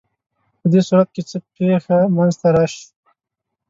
په دې صورت کې څه پېښه منځ ته راشي؟